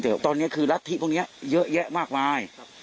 แต่ตอนนี้คือรัฐธิพวกนี้เยอะแยะมากมาย